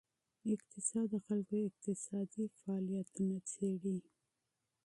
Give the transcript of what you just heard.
اقتصاد د خلکو اقتصادي فعالیتونه څیړي.